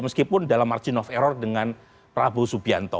meskipun dalam margin of error dengan prabowo subianto